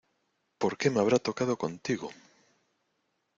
¡ Por qué me habrá tocado contigo!